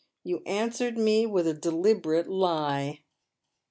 You answered me with a deliberate lie."